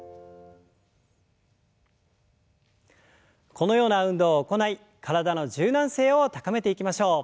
このような運動を行い体の柔軟性を高めていきましょう。